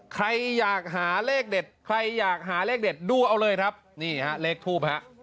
ใครอยากหาเลขเด็ดใครอยากหาเลขเด็ดดูเอาเลยครับนี่ฮะเลขทูปฮะ